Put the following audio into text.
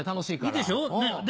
いいでしょう